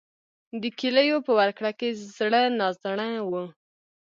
د کیلیو په ورکړه کې زړه نازړه و.